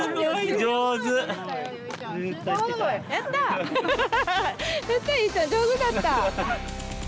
上手だった。